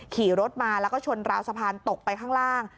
ขี่รถมาแล้วก็ชนราวสะพานตกไปข้างล่าง